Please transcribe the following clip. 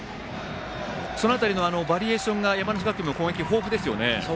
その辺りのバリエーションが山梨学院の攻撃、豊富ですよね。